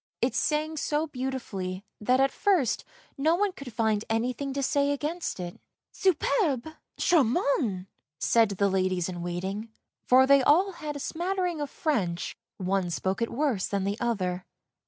It sang so beautifully that at first no one could find anything to say against it. " Superbe ! charmant !" said the ladies in waiting, for they all had a smattering of French, one spoke it worse than the other.